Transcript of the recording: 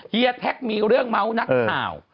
เฮีแท็กมีเรื่องเมาส์นักข่าว